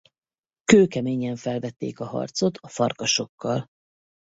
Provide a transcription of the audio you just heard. Kőkeményen felvették a harcot a Farkasokkal.